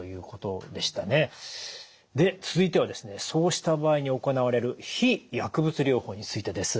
で続いてはそうした場合に行われる非薬物療法についてです。